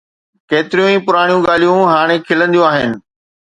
ڪيتريون ئي پراڻيون ڳالهيون هاڻي کلنديون آهن.